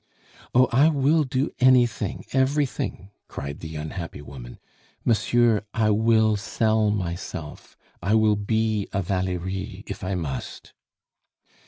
"Oh! I will do anything, everything," cried the unhappy woman. "Monsieur, I will sell myself I will be a Valerie, if I must."